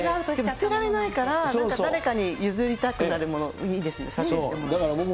捨てられないから、なんか誰かに譲りたくなるもの、いいですね、査定してもらって。